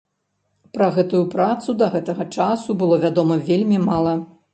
Пра гэтую працу да гэтага часу было вядома вельмі мала.